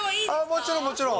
もちろん、もちろん。